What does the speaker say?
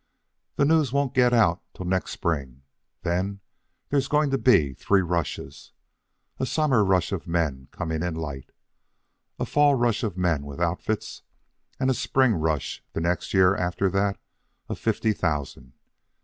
"The news won't get out till next spring. Then there's going to be three rushes. A summer rush of men coming in light; a fall rush of men with outfits; and a spring rush, the next year after that, of fifty thousand.